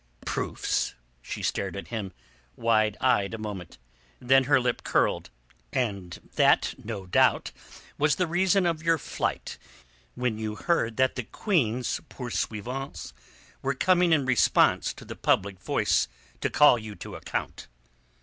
"Proofs?" She stared at him, wide eyed a moment. Then her lip curled. "And that no doubt was the reason of your flight when you heard that the Queen's pursuivants were coming in response to the public voice to call you to account."